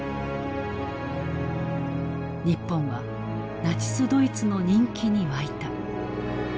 日本はナチスドイツの人気に沸いた。